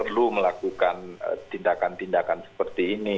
kami berharapnya tidak perlu melakukan tindakan tindakan seperti ini